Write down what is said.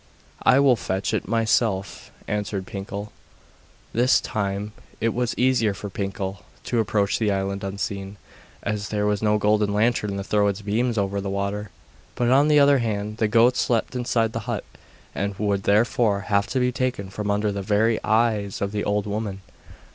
'I will fetch it myself,' answered Pinkel. This time it was easier for Pinkel to approach the island unseen, as there was no golden lantern to thrown its beams over the water. But, on the other hand, the goat slept inside the hut, and would therefore have to be taken from under the very eyes of the old woman.